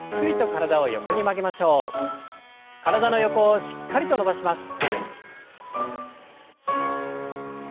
体の横をしっかりと伸ばします。